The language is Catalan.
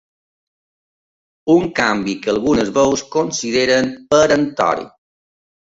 Un canvi que algunes veus consideren peremptori.